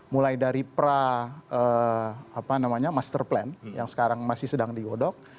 mulai dari pra apa namanya master plan yang sekarang masih sedang digodok